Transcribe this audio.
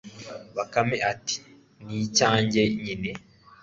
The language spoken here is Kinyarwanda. bakame iti 'ni icyanjye nyine